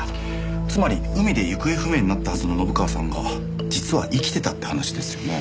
つまり海で行方不明になったはずの信川さんが実は生きてたって話ですよねえ。